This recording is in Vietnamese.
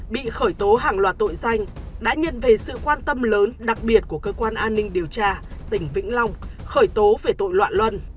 bị khởi tố hàng loạt tội danh đã nhận về sự quan tâm lớn đặc biệt của cơ quan an ninh điều tra tỉnh vĩnh long khởi tố về tội loạn luân